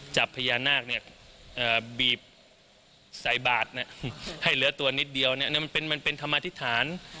จับพญานาคเนี่ยบีบใส่บาทให้เหลือตัวนิดเดียวมันเป็นธรรมธิษฐาน